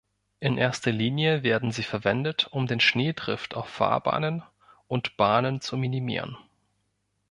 In erster Linie werden sie verwendet, um den Schneedrift auf Fahrbahnen und Bahnen zu minimieren.